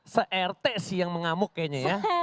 se rt sih yang mengamuk kayaknya ya